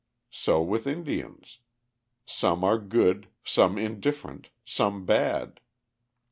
So with Indians. Some are good, some indifferent, some bad.